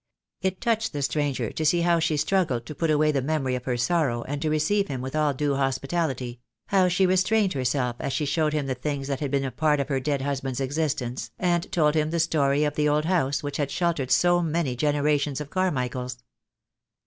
It touched the stranger to see how she struggled to put away the memory of her sorrow and to receive him with all due hospitality — how she restrained herself as she showed him the things that had been a part of her dead husband's existence, and told him the story of the old house which had sheltered so many generations of Carmichaels.